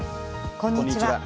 こんにちは。